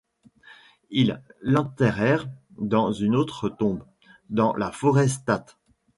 Ils l’enterrèrent dans une autre tombe, dans la forêt State.